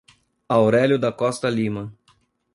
Aurelio da Costa Lima